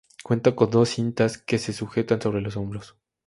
Cuenta con dos cintas que se sujetan sobre los hombros.